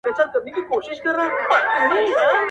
په چا کور او په چا کلی په چا وران سي لوی ښارونه-